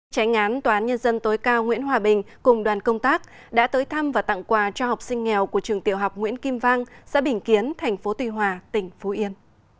tránh án toán nhân dân tối cao nguyễn hòa bình cùng đoàn công tác đã tới thăm và tặng quà cho học sinh nghèo của trường tiểu học nguyễn kim vang xã bình kiến tp tùy hòa tỉnh phú yên